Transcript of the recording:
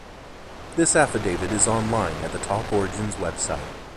This affidavit is online at the TalkOrigins website.